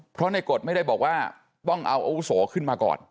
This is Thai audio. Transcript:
เพราะในกฎไม่ได้บอกว่าต้องเอาอาวุโสขึ้นมาก่อน